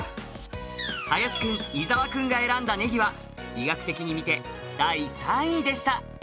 林くん伊沢くんが選んだねぎは医学的に見て第３位でした。